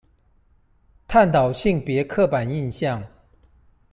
探討性別刻板印象